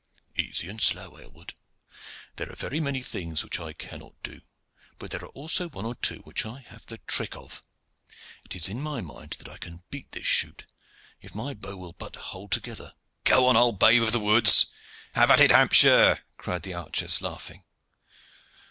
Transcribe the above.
"Easy and slow, Aylward. There are very many things which I cannot do, but there are also one or two which I have the trick of. It is in my mind that I can beat this shoot, if my bow will but hold together." "Go on, old babe of the woods!" "Have at it, Hampshire!" cried the archers laughing.